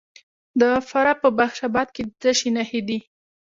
د فراه په بخش اباد کې د څه شي نښې دي؟